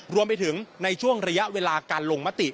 รวมไปถึงในช่วงระยะเวลาการลงมติ